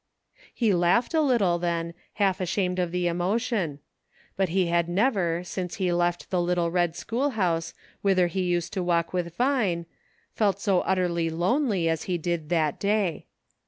He laughed a little, then, half ashamed of his emotion ; but he had never, since he left the little red schoolhouse, whither he used to walk with Vine, felt so utterly lonely as he did that day.